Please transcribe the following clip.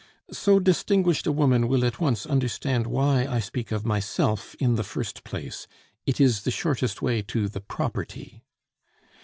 "So distinguished a woman will at once understand why I speak of myself in the first place. It is the shortest way to the property."